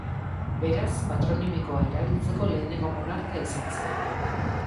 Beraz patronimikoa erabiltzeko lehenengo monarka izan zen.